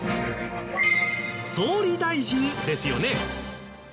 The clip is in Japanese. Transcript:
総理大臣ですよね。